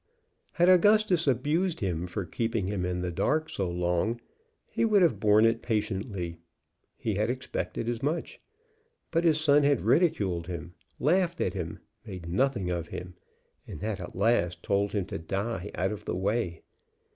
Had Augustus abused him for keeping him in the dark so long, he would have borne it patiently. He had expected as much. But his son had ridiculed him, laughed at him, made nothing of him, and had at last told him to die out of the way.